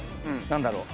何だろう？